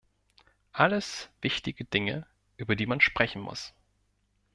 Alles wichtige Dinge, über die man sprechen muss.